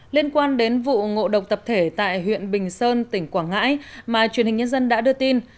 liên quan đến vụ ngộ độc tập thể tại huyện bình sơn tỉnh quảng ngãi mà truyền hình nhân dân đã đưa tin